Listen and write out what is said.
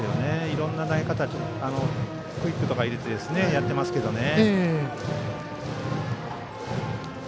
いろんな投げ方クイックとか入れてやってますけどね。